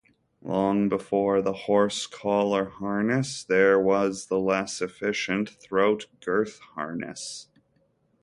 Long before the horse collar harness, there was the less efficient throat-girth harness.